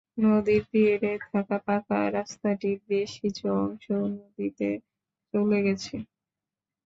নদীর তীরে থাকা পাকা রাস্তাটির বেশ কিছু অংশও নদীতে চলে গেছে।